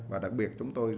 và đặc biệt chúng tôi